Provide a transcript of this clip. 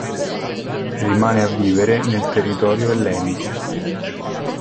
Rimane a vivere nel territorio ellenico.